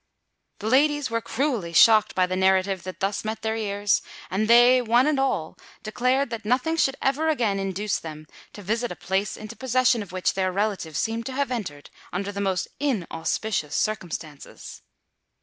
The ladies were cruelly shocked by the narrative that thus met their ears; and they one and all declared that nothing should ever again induce them to visit a place into possession of which their relative seemed to have entered under the most inauspicious circumstances.